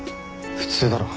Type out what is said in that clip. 普通だろ。